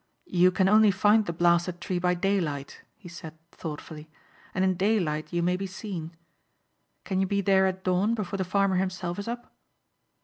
"You can only find the blasted tree by day light," he said thoughtfully, "and in day light you may be seen. Can you be there at dawn before the farmer himself is up."